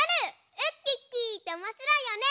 ウッキッキーっておもしろいよね。